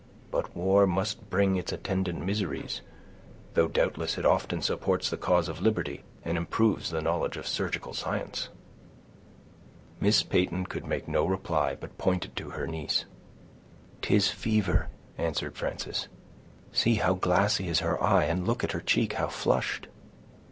"But war must bring its attendant miseries; though doubtless it often supports the cause of liberty, and improves the knowledge of surgical science." Miss Peyton could make no reply, but pointed to her niece. "'Tis fever," answered Frances; "see how glassy is her eye, and look at her cheek, how flushed."